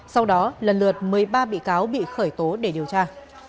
sau đó lần lượt một mươi ba bị cáo bị khởi tố để điều tra